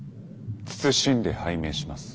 謹んで拝命します